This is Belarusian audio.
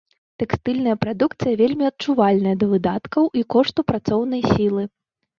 Тэкстыльная прадукцыя вельмі адчувальная да выдаткаў і кошту працоўнай сілы.